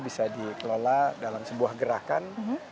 bisa dikelola dalam sebuah gerakan